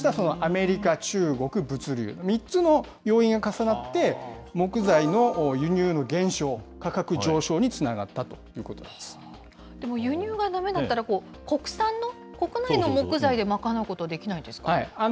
こうしたアメリカ、中国、物流、３つの要因が重なって、木材の輸入の減少、価格上昇につながったでも輸入がだめだったら、国産の、国内の木材で賄うことはできないんですかね。